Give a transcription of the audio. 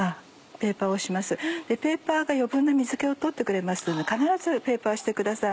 ペーパーが余分な水気を取ってくれますので必ずペーパーをしてください。